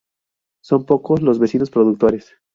Son pocos los vecinos productores.